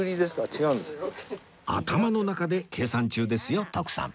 頭の中で計算中ですよ徳さん